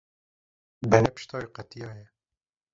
Benê pişta wî qetiyaye.